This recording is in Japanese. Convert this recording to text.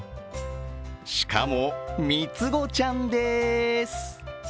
しかも、３つ子ちゃんです。